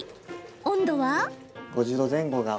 温度は。